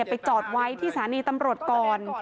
ไปจอดไว้ที่สถานีตำรวจก่อน